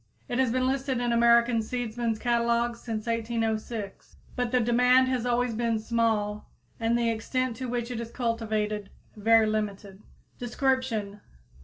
It has been listed in American seedsmen's catalogues since 1806, but the demand has always been small and the extent to which it is cultivated very limited. _Description.